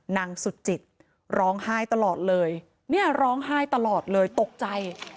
นางสุดจิตร้องไห้ตลอดเลยเนี่ยร้องไห้ตลอดเลยตกใจ